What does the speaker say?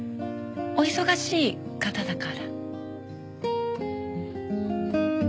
お忙しい方だから。